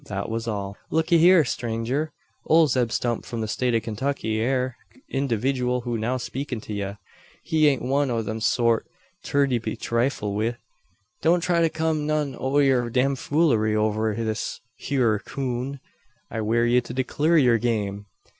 That was all. "Lookee hyur, strenger! Ole Zeb Stump from the State o' Kintucky, air the individooal who's now speakin' to ye. He ain't one o' thet sort ter be trifled wi'. Don't try to kum none o' yer damfoolery over this hyur coon. I warn ye to declur yur game.